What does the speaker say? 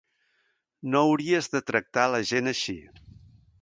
No hauries de tractar la gent així.